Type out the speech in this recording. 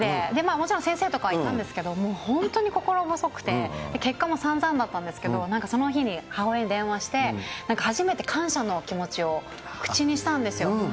もちろん先生とかはいたんですけど、本当に心細くて、結果も散々だったんですけど、なんかその日に母親に電話して、初めて感謝の気持ちを口にしたんですよ。